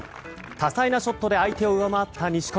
多彩なショットで相手を上回った錦織。